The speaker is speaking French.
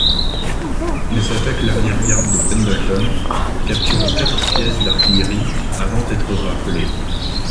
Ils attaquent l'arrière-garde de Pendleton, capturant quatre pièces d'artillerie avant d'être rappelés.